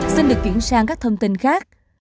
xin được chuyển sang các thông tin khác